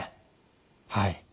はい。